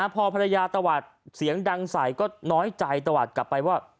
พอภรรยาตวัดเสียงดังใส่ก็น้อยใจตวัดกลับไปว่า